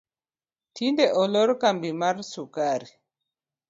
Tinde olor kambi mar sukari